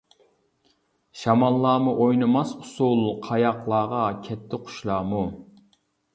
شاماللارمۇ ئوينىماس ئۇسۇل، قاياقلارغا كەتتى قۇشلارمۇ.